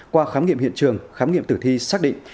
qua khám nghiệm hiện trường khám nghiệm tử thi xác định